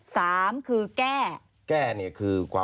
สามคือแก้